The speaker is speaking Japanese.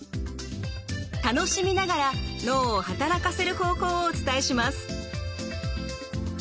楽しみながら脳を働かせる方法をお伝えします。